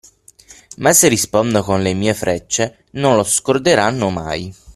Ma se rispondo con le mie frecce, non lo scorderanno mai.